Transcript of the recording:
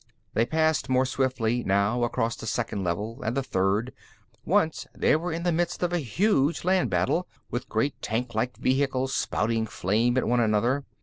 They passed more swiftly, now, across the Second Level and the Third. Once they were in the midst of a huge land battle, with great tanklike vehicles spouting flame at one another.